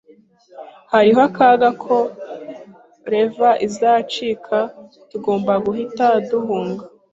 Hariho akaga ko levee izacika. Tugomba guhita duhunga